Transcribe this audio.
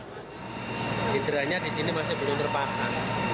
hidranya di sini masih belum terpaksa